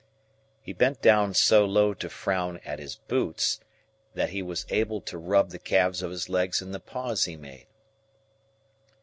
He bent down so low to frown at his boots, that he was able to rub the calves of his legs in the pause he made.